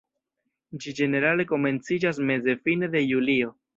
Ĝi ĝenerale komenciĝas meze-fine de julio.